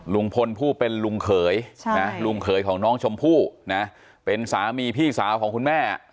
ลุงพลผู้เป็นลุงเขยลุงเขยของน้องชมพู่นะเป็นสามีพี่สาวของคุณแม่